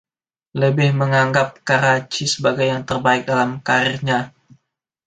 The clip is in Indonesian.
Lebih menganggap Karachi sebagai yang terbaik dalam kariernya.